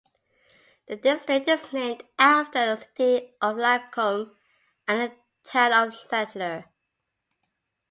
The district is named after the City of Lacombe and the Town of Stettler.